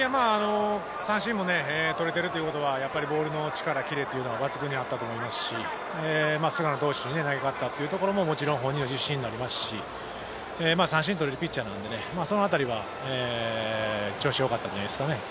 三振も取れているということはボールの力、キレは抜群にあったと思いますし、菅野投手と投げ勝ったのも本人の自信になりますし、三振を取れるピッチャーなので、そのあたりは調子良かったんじゃないですかね。